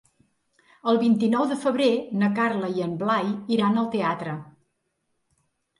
El vint-i-nou de febrer na Carla i en Blai iran al teatre.